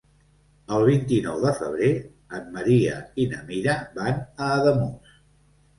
El vint-i-nou de febrer en Maria i na Mira van a Ademús.